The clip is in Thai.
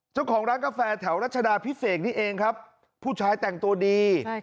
เจ้าของร้านกาแฟแถวรัชดาพิเศษนี่เองครับผู้ชายแต่งตัวดี